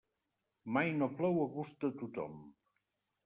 Mai no plou a gust de tothom.